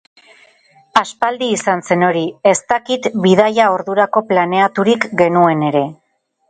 Aspaldi izan zen hori, ez dakit bidaia ordurako planeaturik genuen ere.